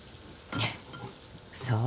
そう？